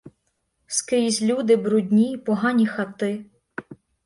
Скрізь люди брудні, погані хати.